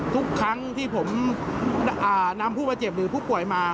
ทุกครั้งที่ผมนำผู้บาดเจ็บหรือผู้ป่วยมา